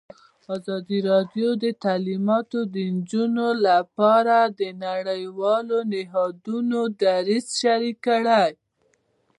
ازادي راډیو د تعلیمات د نجونو لپاره د نړیوالو نهادونو دریځ شریک کړی.